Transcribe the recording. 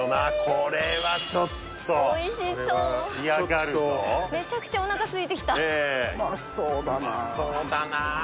これはちょっと仕上がるぞめちゃくちゃおなかすいてきたねえうまそうだなうまそうだな！